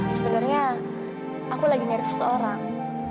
sebenarnya aku lagi nyari seseorang